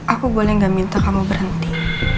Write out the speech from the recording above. aku boleh gak minta kamu berhenti